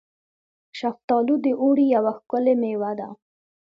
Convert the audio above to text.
شفتالو د اوړي یوه ښکلې میوه ده.